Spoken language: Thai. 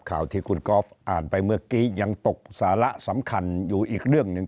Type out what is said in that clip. ข่าวที่คุณกอล์ฟอ่านไปเมื่อกี้ยังตกสาระสำคัญอยู่อีกเรื่องหนึ่ง